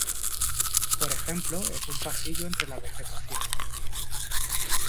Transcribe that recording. Por ejemplo, en un pasillo entre la vegetación.